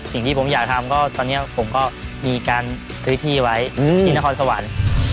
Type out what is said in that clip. สิ่งที่ผมอยากทำก็ตอนนี้ผมก็มีการซื้อที่ไว้ที่นครสวรรค์